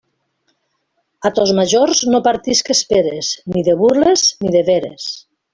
A tos majors no partisques peres, ni de burles ni de veres.